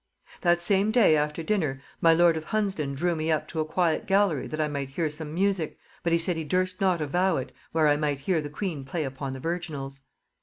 "That same day after dinner, my lord of Hunsdon drew me up to a quiet gallery that I might hear some music, but he said he durst not avow it, where I might hear the queen play upon the virginals.